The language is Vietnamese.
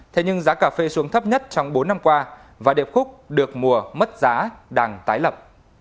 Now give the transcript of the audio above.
thế nhưng giá cà phê xuống thấp nhất trong bốn năm qua và điệp khúc được mùa mất giá đang tái lập